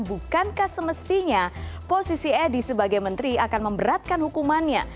bukankah semestinya posisi edi sebagai menteri akan memberatkan hukumannya